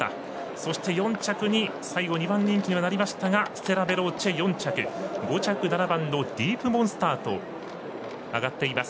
そして４着に最後２番人気になりましたがステラヴェローチェ、４着５着、７番ディープモンスターとあがっています。